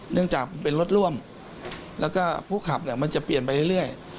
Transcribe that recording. เนื่องจากเป็นรถร่วมแล้วก็ผู้ขับเนี่ยมันจะเปลี่ยนไปเรื่อย